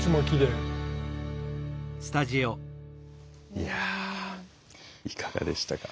いやあいかがでしたか？